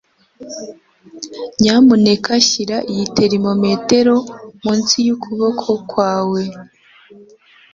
Nyamuneka shyira iyi termometero munsi yukuboko kwawe.